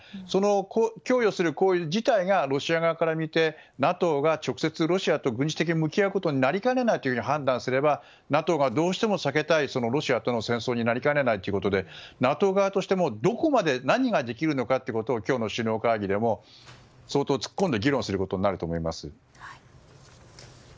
その供与する行為自体がロシア側から見てＮＡＴＯが直接、軍事的に向き合うことになりかねないと判断すればＮＡＴＯがどうしても避けたいロシアとの戦争になりかねないということでＮＡＴＯ側としてもどこまで何ができるのかを今日の首脳会議でも相当突っ込んで議論することになると思います。